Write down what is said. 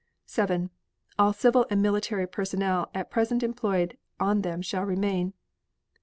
7. All civil and military personnel at present employed on them shall remain.